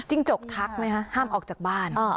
จกทักไหมคะห้ามออกจากบ้าน